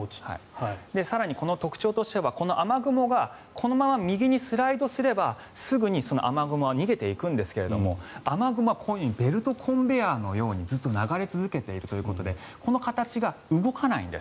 更にこの特徴としては雨雲がこのまま右にスライドすればすぐに雨雲は逃げていくんですが雨雲はこのようにベルトコンベヤーのようにずっと流れ続けているということでこの形が動かないんです。